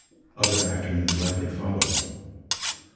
Other afternoons like it followed.